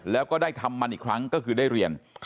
แล้วก็ได้ทำมันอีกครั้งก็คือได้เรียน